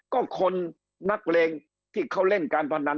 ก็คนนักเรงที่เค้าเล่นการพนันทั้งหลาย